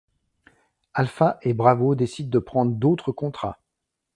Alpha et Bravo décide de prendre d'autres contrats.